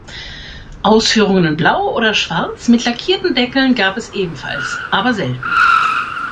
Ausführungen in blau oder schwarz mit lackierten Deckeln gab es ebenfalls, aber selten.